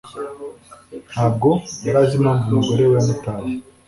Ntabwo yari azi impamvu umugore we yamutaye.